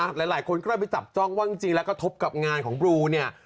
หลายคนก็เลยไปจับจ้องว่าจริงแล้วกระทบกับงานของบลูเนี่ย